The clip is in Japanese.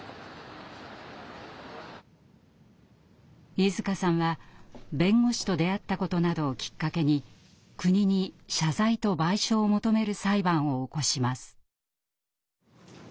飯塚さんは弁護士と出会ったことなどをきっかけに国に謝罪と賠償を求める裁判を起こします。